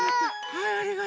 はい。